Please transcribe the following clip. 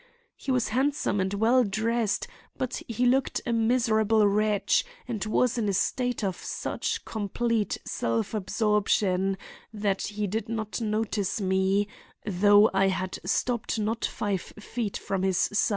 He was handsome and well dressed, but he looked a miserable wretch and was in a state of such complete self absorption that he did not notice me, though I had stopped not five feet from his side.